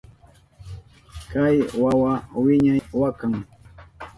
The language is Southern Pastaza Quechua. Kay wawa wiñay wakan.